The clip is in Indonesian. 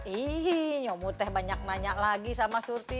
ih nyomud teh banyak nanya lagi sama surti